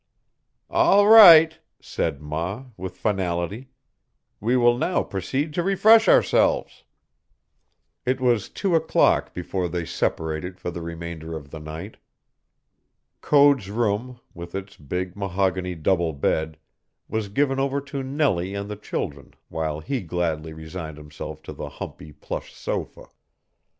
"All right," said ma, with finality; "we will now proceed to refresh ourselves." It was two o'clock before they separated for the remainder of the night. Code's room, with its big mahogany double bed, was given over to Nellie and the children while he gladly resigned himself to the humpy plush sofa.